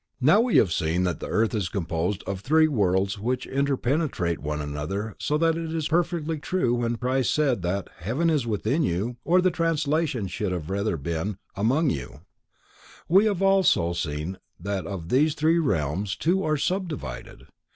_" We have now seen that the earth is composed of three worlds which interpenetrate one another so that it is perfectly true when Christ said that "heaven is within you" or, the translation should rather have been among you. We have also seen that of these three realms two are subdivided.